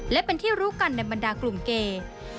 และเป็นที่รู้กันในบรรดากลุ่มเกย์